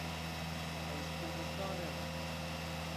Ez ji Kurdistanê me